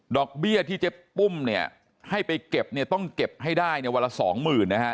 เบี้ยที่เจ๊ปุ้มเนี่ยให้ไปเก็บเนี่ยต้องเก็บให้ได้เนี่ยวันละสองหมื่นนะฮะ